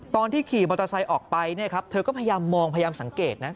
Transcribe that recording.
ตอนที่ขี่มอเตอร์ไซด์ออกไปเธอก็พยายามมองพยายามสังเกตนะ